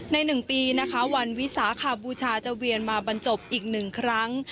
ในหนึ่งปีนะคะวันวิสาคาบูชาจะเวียนมาบรรจบอีกหนึ่งครั้ง